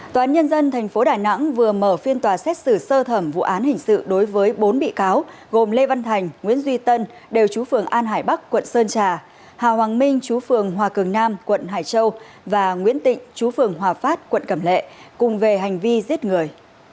tòa án nhân dân tp đà nẵng vừa mở phiên tòa xét xử sơ thẩm vụ án hình sự đối với bốn bị cáo gồm lê văn thành nguyễn duy tân đều chú phường an hải bắc quận sơn trà hà hoàng minh chú phường hòa cường nam quận hải châu và nguyễn tịnh chú phường hòa phát quận cẩm lệ cùng về hành vi giết người